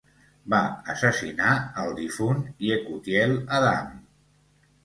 Va assassinar el difunt Yekutiel Adam.